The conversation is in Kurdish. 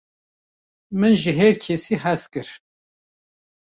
min ji herkesî hez kir